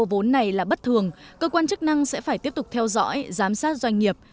đánh giá quy mô vốn này là bất thường cơ quan chức năng sẽ phải tiếp tục theo dõi giám sát doanh nghiệp